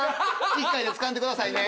１回でつかんでくださいね。